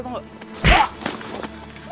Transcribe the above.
beranilah lo buat gue